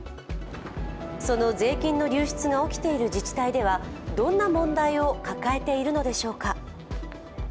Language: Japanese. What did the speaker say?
その税金の流出が起きている自治体ではどんな問題を抱えているのでしょうか。